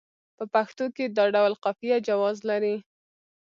په پښتو کې دا ډول قافیه جواز لري.